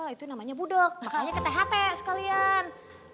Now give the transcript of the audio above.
itu namanya budok makanya ke tht sekalian